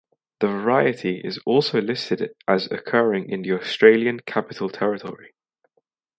The variety is also listed as occurring in the Australian Capital Territory.